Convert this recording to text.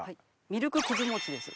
ミルク葛餅です。